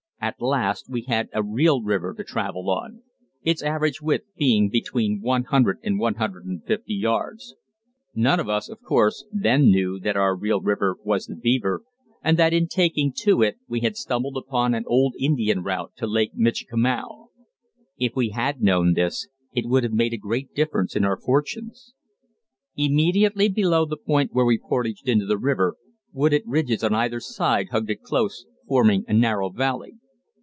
At last we had a real river to travel on, its average width being between 100 and 150 yards. None of us, of course, then knew that our real river was the Beaver, and that in taking to it we had stumbled upon an old Indian route to Lake Michikamau. If we had known this, it would have made a great difference in our fortunes. Immediately below the point where we portaged into the river, wooded ridges on either side hugged it close, forming a narrow valley.